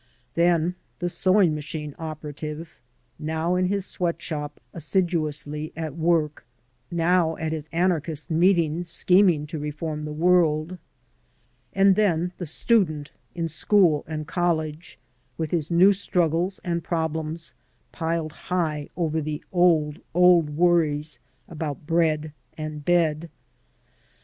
Then the sewing machine operative, now in his sweat shop assiduously at work, now at his anarchist meetings scheming to reform the world. And then the student in school and college, with his new struggles and problems piled high over the old, old worries about bread and bed.